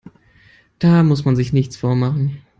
Da muss man sich nichts vormachen.